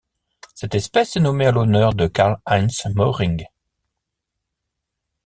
Cette espèce est nommée en l'honneur de Karl Heinz Möhring.